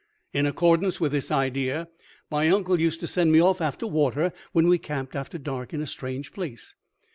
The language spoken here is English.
In accordance with this idea, my uncle used to send me off after water when we camped after dark in a strange place.